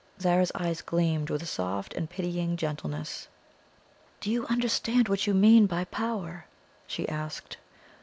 Zara's eyes gleamed with a soft and pitying gentleness. "Do you understand what you mean by power?" she asked.